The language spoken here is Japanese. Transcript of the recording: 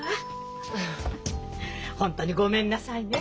本当にごめんなさいね。